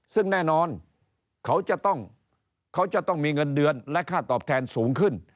ซึ่งแน่นอนเขาจะต้องเขาจะต้องมีเงินเดือนและค่าตอบแทนสูงขึ้น